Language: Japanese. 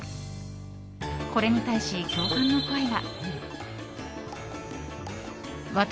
これに対し、共感の声が。